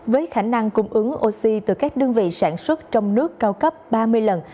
với khả năng cung ứng oxy từ các đơn vị sản xuất trong nước cao cấp ba mươi lần